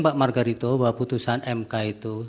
pak margarito bahwa putusan mk itu